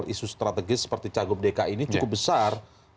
isu strategis seperti cagup dki ini cukup besar